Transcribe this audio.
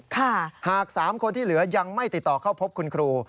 หาก๓คนที่เหลือยังไม่ติดต่อเข้าพบคุณครู